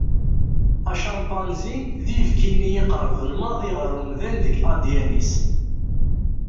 Acampanzi d ibki-nni iqerben maḍi ɣer umdan deg adn-is.